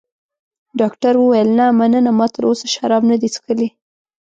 ډاکټر وویل: نه، مننه، ما تراوسه شراب نه دي څښلي.